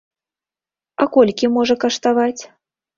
А колькі можа каштаваць?